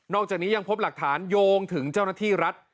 อกจากนี้ยังพบหลักฐานโยงถึงเจ้าหน้าที่รัฐ